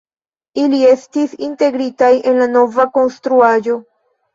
Ili estis integritaj en la nova konstruaĵo.